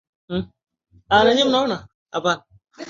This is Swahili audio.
sikate tama kama hizi vinavyofanya sasa